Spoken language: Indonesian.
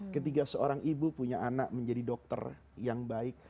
ketika seorang ibu punya anak menjadi dokter yang baik